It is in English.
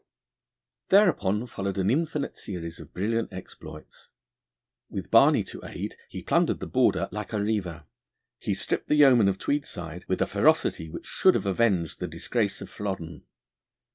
Thereupon followed an infinite series of brilliant exploits. With Barney to aid, he plundered the Border like a reiver. He stripped the yeomen of Tweedside with a ferocity which should have avenged the disgrace of Flodden.